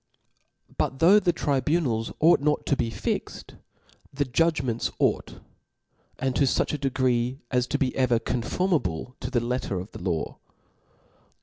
But though the tribunals ought not to be fixt, the judgments ought ; and to fuch a degree as to be ever conformable to the letter of the law.